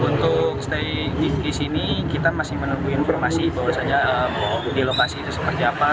untuk stay di sini kita masih menunggu informasi bahwasannya di lokasi itu seperti apa